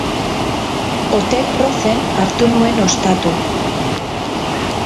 Hotel Roth-en hartu nuen ostatu.